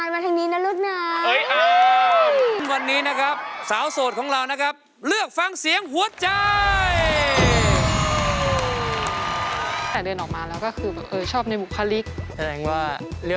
กายมาทางนี้นะลูกหน่อย